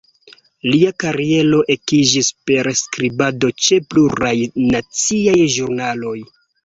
Lia kariero ekiĝis per skribado ĉe pluraj naciaj ĵurnaloj.